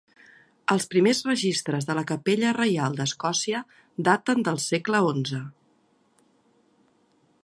Els primers registres de la Capella Reial d'Escòcia daten del segle XI.